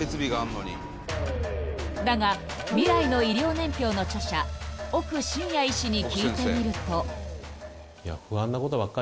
［だが『未来の医療年表』の著者奥真也医師に聞いてみると］